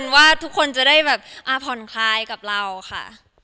ว่าทุกคนจะได้แบบผ่อนคลายกับเราค่ะ